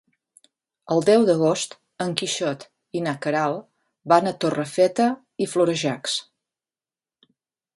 El deu d'agost en Quixot i na Queralt van a Torrefeta i Florejacs.